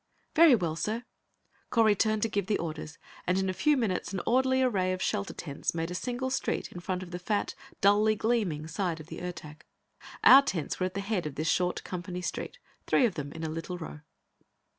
"Very well, sir." Correy turned to give the orders, and in a few minutes an orderly array of shelter tents made a single street in front of the fat, dully gleaming side of the Ertak. Our tents were at the head of this short company street, three of them in a little row.